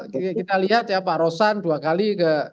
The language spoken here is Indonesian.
kita lihat ya pak rosan dua kali